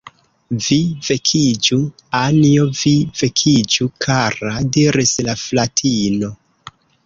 "Vi vekiĝu, Anjo, vi vekiĝu, kara," diris la fratino.